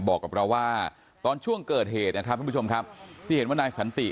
บอกกับเราว่าตอนช่วงเกิดเหตุที่เห็นว่านายสันติ